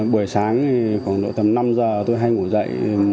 buổi sáng thì khoảng độ tầm năm giờ tôi hay ngủ dậy